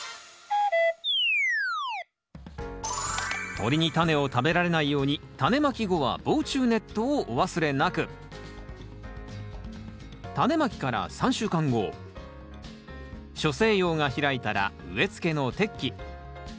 鳥にタネを食べられないようにタネまき後は防虫ネットをお忘れなく初生葉が開いたら植え付けの適期。